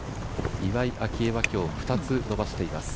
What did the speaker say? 岩井明愛は今日２つ伸ばしています